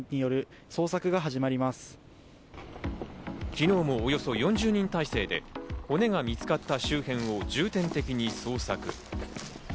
昨日もおよそ４０人態勢で骨が見つかった周辺を重点的に捜索。